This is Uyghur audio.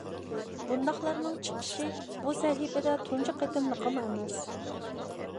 بۇنداقلارنىڭ چىقىشى بۇ سەھىپىدە تۇنجى قېتىملىقىمۇ ئەمەس.